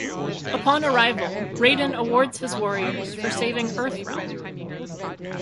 Upon arrival, Raiden awards his warriors for saving Earthrealm.